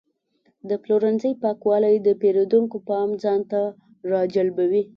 د پلورنځي پاکوالی د پیرودونکو پام ځان ته راجلبوي.